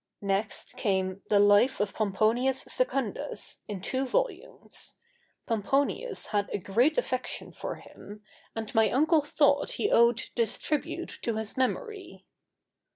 Next came 'The Life of Pomponius Secundus,' in two volumes. Pomponius had a great affection for him, and my uncle thought he owed this tribute to his memory.